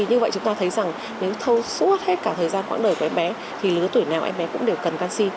như vậy chúng ta thấy rằng nếu thu hút hết cả thời gian khoảng đời của em bé thì lứa tuổi nào em bé cũng đều cần canxi